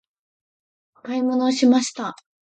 買い物をしました。